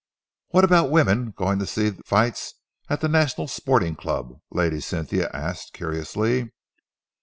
"What about women going to see fights at the National Sporting Club?" Lady Cynthia asked curiously.